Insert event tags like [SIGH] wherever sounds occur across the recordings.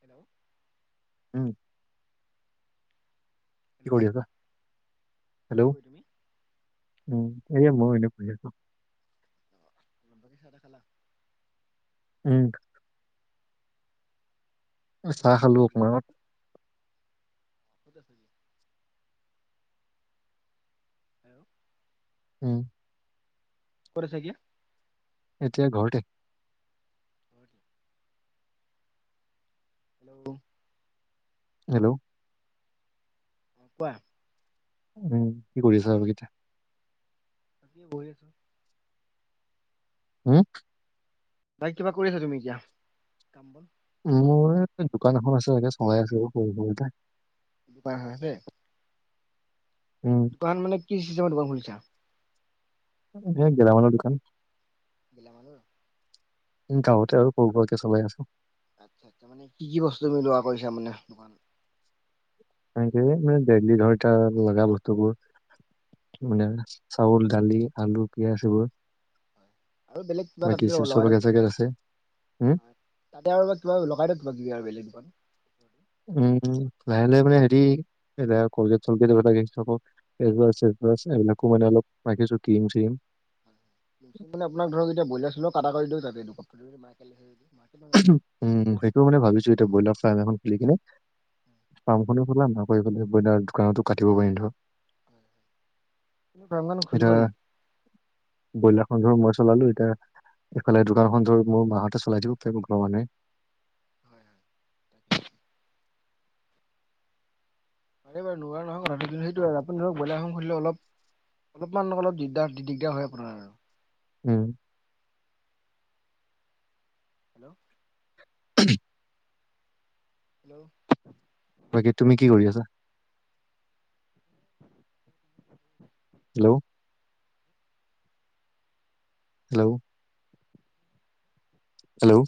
Hello উম কি hello কৰি আছা? আছো হেল্ল' গৈ তুমি হেল্ল' এয়া মই এনেই বঢ়ি আছো [UNINTELLIGIBLE] উম চাহ ক'ত খালো আছা এতিয়া? অকমানত আগত কত আছে আইও উম কত আছে একিয়া এতিয়া ঘৰতে ঘৰতে হেল্ল' হেল্ল' অ কোৱা উম কি কৰিছা বাকী এতিয়া চকিত বহি আছো। উম বাইক কিবা কৰি আছা তুমি এতিয়া কাম বন মোৰ দোকান এখন আছে তাকে চলাই আছে সৰু সৰুকে দোকান হৈ আছে উম দোকান মানে কি চিষ্টেমত দোকান খোলিছা। এই গেলা মালৰ দোকান। [UNINTELLIGIBLE] গাঁৱতে আৰু সৰু সুৰাকে চলাই আছোঁ। আচ্ছা কি বস্তু মিলোৱা কৰিছা মানে এংকৈ মানে ডেইেলি ধৰটা লগা বস্তুবোৰ মানে চাউল, দালি, আলু, পিয়াজ এইবোৰ। আৰু বেলেগ কিবা তাতে বাকী চিপছ্ লগাই পাকেট থৈ চাগে আছে, উম। তাতে আৰু কিবা লগাই দিয়ক কিবা কিবি আৰু বেলেগ দোকান উম লাহে লাহে মানে হেৰি এতি কলগেট চলগেট [UNINTELLIGIBLE] [UNINTELLIGIBLE] এইবিলাকো মানে অলপ ৰ্কিম চিম মানে আপোন ধৰক এতিয়া বইলাৰ চৈলাৰ কটা কৰি দিয়ক তাতে [UNINTELLIGIBLE] উম সেইটোও মানে ভাবিছো এতিয়া ব্ৰইলাৰ ফাৰ্ম এখন খোলি কিনে ফাৰ্ম খনো খোলাম নহলে ব্ৰইলাৰ দোকানতো কাটিব পাৰিম ধৰ। এনেই ফ্ৰামখন এতিয়া নুখুলিবা নি- ব্ৰইলাৰখন ধৰ মই চলালো এতিয়া এইফালে দোকানখন ধ মোৰ মাহঁতে চলাই দিওক তাকো ঘৰ মানুহে হয় হয় তাকে পাৰে বাৰু নোৱাৰা নহয় কথাটো কিন্তু সেইটো আপুনি ধৰক ব্ৰইলাৰ ফাৰ্ম খোলিলে অলপ অলপমান অলপ দিগদাৰ দি দিগদাৰ হয় আপোনাৰ। উম। হেল্ল' [UNINTELLIGIBLE] হেল্ল' বাকী তুমি কি কৰি আছা? Hello hello hello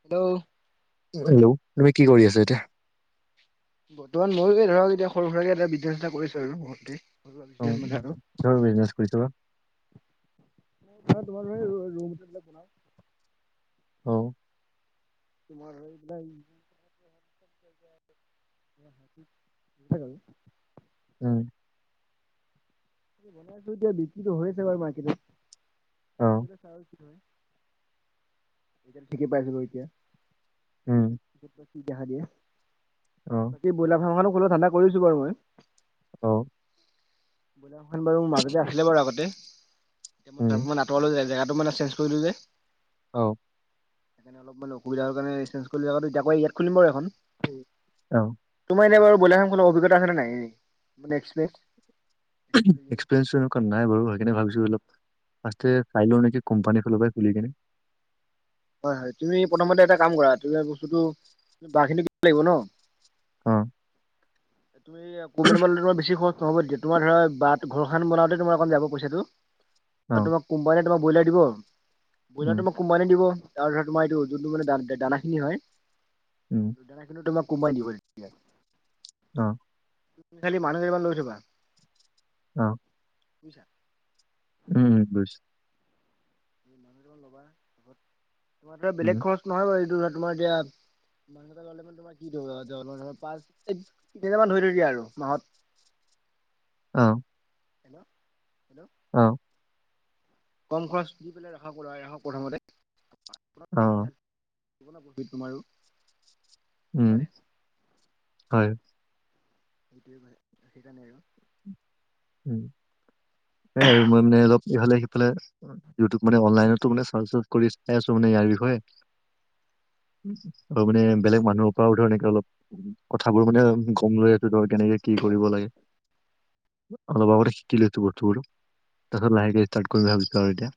hello hello তুমি কি কৰি আছা এতিয়া? বৰ্তমান ময়ো ধৰক এতিয়া সৰু সুৰাকে এটা বিজনেছ এটা কৰিছো আৰু ঘৰতেই। অ উ কিহৰ বিজনেছ কৰি বা? [UNINTELLIGIBLE] অ। তোমাৰ আৰু এইবিলাক [UNINTELLIGIBLE] [UNINTELLIGIBLE] উম। বনাইছো এতিয়া বিক্ৰী হৈ আছে বাৰু মাৰ্কেটত অ', পিছলৈ চাও কি হয়। এ ঠিকে পাইছো এতিয়া, উম, পিছত বা কি দেখা দিয়ে। অ। এই ব্ৰইলাৰ ফাৰ্ম এখনো খোলা ধাণ্ডা কৰিছো বাৰু মই। অ। ব্ৰইলা ফাৰ্ম খন বাৰু মাজতে আছিলে বাৰু আগতে উম, এতিয়া [UNINTELLIGIBLE] তলে জেগাতটো মানে চেঞ্জ কৰিলো যে। অ। মানে অসুবিধা হ'ল কাৰণে চেঞ্জ কৰিলো ইয়াত খুলিম বাৰু এখন। ওম অ। তোমাৰ এনে বাৰ ব্ৰইলাৰ ফ্ৰামখোলাৰ কোনো অভিজ্ঞতা আছে নাই? একস্পিৰেঞ্চ এক্সপিৰিয়েঞ্চ এ নাই বাৰু সেই কাৰনে ভাবিছো অলপ ফাষ্টে চাই লও নেকি, কোম্পানী ফলৰ পৰাই খুলি কিনে। হয় হয় তুমি প্ৰথমতে এটা কাম। কৰা তুমি বস্তুটো ব খিনি কিব লাগিব ন। অঁ। এটো এইয়া কোম্পানী পৰা ল'লে ত বেছি খৰচ নহবত দিয়াত তোমাৰ ধৰা বাট ঘৰখন বনাওঁতে তোমাৰ অকণ যাব পইচাটো অ', তোমাক কোম্পানীয়ে তোমাক ব্ৰইলাৰ দিব, উম, ব্ৰইলাৰ তোমাক কোম্প- ইমানে দিব আৰু তোমাৰ ধৰা এইটো যোনটো মানে দানা খিনি হয় উম দানা খিনি তোমাক কোম্পানীয়ে দিব তেতিয়া। অঁ তু খালি মানুহ কেইটামান লৈ থবা। অঁ বুইছা উম বুইছো। মাৰ বেলেগ খৰচ নহয় বাৰু এইটো ধ তোমাৰ এতিয়া। ম তোমাৰ প তি মান ধৰি ধৰি দিয়া আৰু মাহত অ। হেল্ল' হেল্ল' অ। কম খৰচ দি পেলাই ৰাখক ওলাই ৰাখক প্ৰথমতে। অঁ। প্ৰহিত তোমাৰো। উম হয় নাই হয়। সেইটোৱে সেইকাৰণে আৰু। উম হে আৰু মই মানে অলপ ইফালে সিফালে- ইউটিউব মানে অনলাইনতো মানে চাৰ কৰি চাই আছো মানে, ইয়াৰ বিষয়ে। আৰু মানে বেলেগ মানুহৰ পৰাও ধৰ এনেকে অলপ কথাবোৰ মানে গম লৈ আছো ধৰ কেনেকে কি কৰিব লাগে? অলপ আগতে শিকিলো তো বস্তুবোৰ তাৰপাছত লাহেকে ষ্টাৰত কৰিম বুলি ভাবিছোঁ আৰু এতিয়া।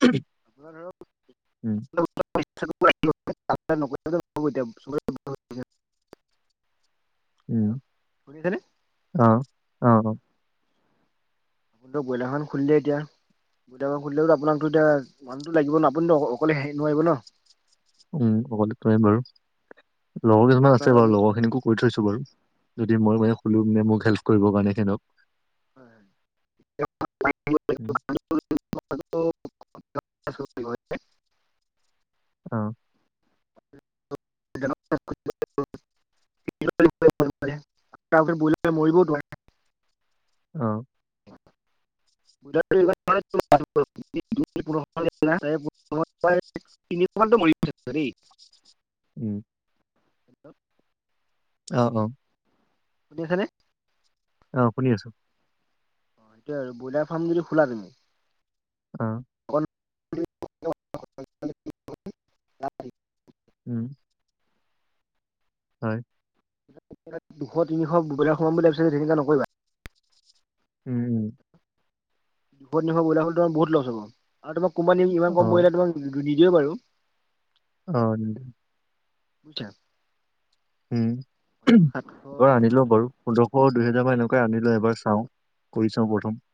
উ [UNINTELLIGIBLE] ব [UNINTELLIGIBLE] উম হেল্ল' শুনিছেনে? অঁ অঁ অঁ। ব ব্ৰলাৰখন খুলিলে এতিয়া বইলা ফাম খুলিলেও তিয়া মানুহতু লাগিব ন আপুনি তু অকলে হেৰি নোৱাৰিব ন। উম অকলে তু নোৱাৰি বাৰু লগৰ কিছুমান আপোনাৰ আছে ধৰক বাৰু লগৰ খিনিকো কৰি থৈছো বাৰু, যদি মই মানে খোলো মানে মোক হেল্প কৰিবৰ কাৰণে সেহতনক হয় হয়। উম। [UNINTELLIGIBLE] উম। ব মৰিবত [UNINTELLIGIBLE] উম গুজ [UNINTELLIGIBLE] তিনিশান মৰিছে। [UNINTELLIGIBLE] সৰি। উম। হেল্ল। অঁ অঁ। কোনি খানে? অ শুনি আছো। এটিয়া ব্ৰইলাৰ ফাৰ্ম যদি খলা তুমি- উম [UNINTELLIGIBLE] উম হয়। দুশ তিনিশ ব‌ইলা সোমাম বুলি ভাবিছা যদি তেনেকে নকৰিবা উম উম। দুশ তিনিশ বইলা হ'লে তোমাৰ বহুত লছ হ'ব। আৰু তোমাক কম্পেনীয়ে ইমান অ কম ব্ৰইলা তোমাক নিদিয়ে বাৰু অ নিদিয়ে। উঠা উম উম সাতশ এবাৰ আনিলো আঠশ অ বাৰু পোন্ধৰ শ দুহেজাৰ মান এনেকোৱাই আনি লৈ এবাৰ চাও কৰি চাও প্ৰথম।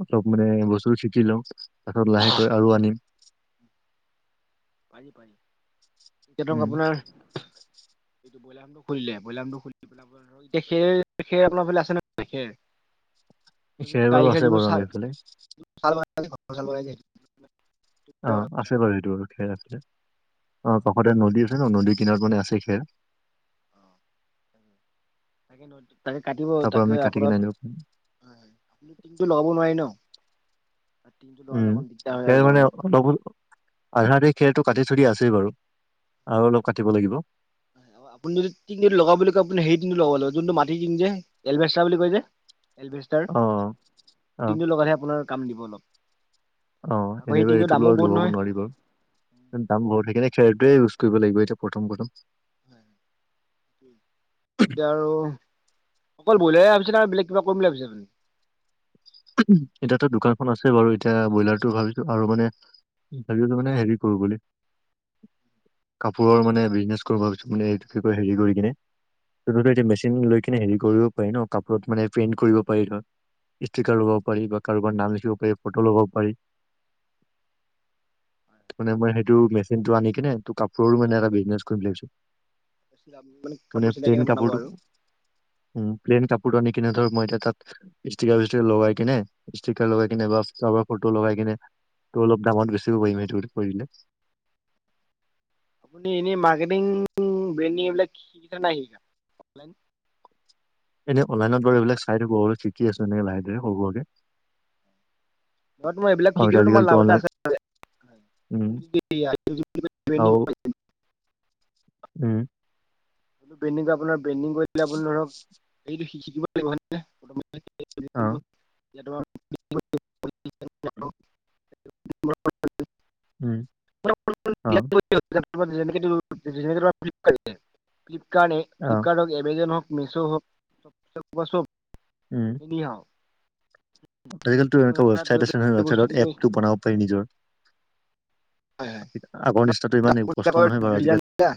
অলপ মানে বস্তুটো শিকি লও তাৰপাছত লাহেকৈ আৰু আনিম পাৰি পাৰি এতিয়া ধৰক উম আপোনাৰ এইটো ব্ৰইলাৰটো খুলিলে ব্ৰইলাৰটো খুলিলে এতিয়া খেৰ খেৰ আপোনাৰ ফালে আছে নাই খেৰ খেৰ বাৰু গাৰিখাৰ আছে যিটো বাৰু আমাৰ ছাল এইফালে ছাল বাকলি গুচাব লাগে অ আছে বাৰু সেইটো বাৰু খেৰ আছে অ কাষতে নদী আছে ন নদী কিনাৰত মানে আছে খেৰ তাকে তাকে কাটিব তাৰ পৰা তাকে আমি কাটি আপোনাৰ কিনে আনিব পাৰিম হয় হয় আপুনি টিনটো লগাব নোৱাৰি ন টিংটো লগালে উম অকণ দিগদাৰ হয় আৰু খেৰ মানে গৰমত। অলপ হলো আধা আধি খেৰটো কাটি থৈ দিয়া আছেই বাৰু আৰু অলপ কাটিব লাগিব আপুনি যদি টিং যদি লগাও বুলি কয় আপুনি সেই টিংটো লগব লাগিব যোনটো মাটি টিং যে এলভেষ্টা বুলি কয় যে এলভেষ্টাৰ অ অ টিনটো লগালেহে আপোনাৰ কাম দিব অলপ অ আকৌ সেই এনেবা টিংটোৰ এইটো দামো লোৱা বহুত আৰু লগাব নহয় নোৱাৰিবা দাম বহুত সেইকাৰনে খেৰটোৱে ইউজ কৰিব লাগিব এতিয়া প্ৰথম প্ৰথম হয় এতিয়া আৰু অকল ব্ৰইলাই ভাবিছে না বেলেগ কিবা কৰিম বুলি ভাবিছে আপুনি ওমহ এতিয়াতো দোকানখন আছে বাৰু এতিয়া ব্ৰইলাৰটো ভাবিছো আৰু মানে ভাবিলো মানে হেৰি কৰো বুলি কাপোৰৰ মানে বিজনেছ কৰো ভাবিছো মানে এইটো কি কয় হেৰি কৰি কিনে তহতো এ মেচিন লৈ কিনে হেৰি কৰিব পাৰি ন কাপোৰত মানে প্ৰিণ্ট কৰিব পাৰি ধৰ ষ্টিকাৰ লগাব পাৰি বা কাৰোবাৰ নাম লিখিব পাৰি ফটো লগাব পাৰি মানে মই সেইটো মেচিনটো আনি কিনে ত কাপোৰৰো মানে এটা বিজনেছ কৰিম বুলি ভাবিছো মানে কোনে কাপোৰ চিলাই প্লেন কেনে বনাব কাপোৰতো আৰু উ প্লেইন কাপোৰতো আনি কিনে ধৰ মই এতিয়া তাত ষ্টিকাৰ চিষ্টিকাৰ লগাই কিনে ষ্টিকাৰ লগাই কিনে বা কাৰোবাৰ ফটো লগাই কিনে ত অলপ দামত বেছিব পাৰিম সেইটো সেইটো কৰিলে আপুনি এনেই মাৰ্কেটিং ব্ৰেণ্ড নিউ এইবিলাক শিকা নাই শিকা নাই অফলাইন এনেই অনলাইনত বাৰু এইবিলাক চাই থাকো শিকি আছো এনেই লাহেকে সৰু সোৰাকে অ তোমাৰ এইবিলাক আৰু এতিয়া শিকিলো তোমাৰ আজিকালিতো লাভ এটা অনলাইন আছে উম আপুনি যদি আও ব্ৰেণ্ডিং কৰে উম ব্ৰেণ্ড নিউ আপোনাৰ ব্ৰেণ্ড নিউ কৰিলে আপুনি ধৰক এইটো শিকিব লাগিব ন [UNINTELLIGIBLE] [UNINTELLIGIBLE] অ উম অ কিবা দিলে নেকি তো কেইটকা ফ্লিপ কৰি দিলে ফ্লিপকাৰ্টে অ ফ্লিপকাৰ্ট হওক এমেজন হওক মিছো হওক চব উম নিনিঅ আজিকালিতো এনেকোৱা তাত গৈ ৱেবছাইট আছে নহয় পেলাই বস্তু কি ৱেবছাইতত কৰি এপটো বনাব পাৰি নিজৰ হয় হয় আগৰ নিচিনাটো ইমান কষ্ট নহয় বাৰু আজিকালি কিয়